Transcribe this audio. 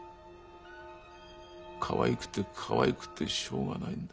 かわいくてかわいくてしょうがないんだ。